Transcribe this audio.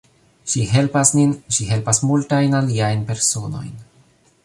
Ŝi helpas nin, ŝi helpas multajn aliajn personojn.